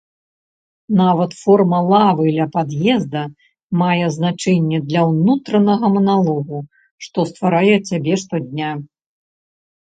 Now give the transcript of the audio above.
Нават форма лавы ля пад'езда мае значэнне для ўнутранага маналогу, што стварае цябе штодня.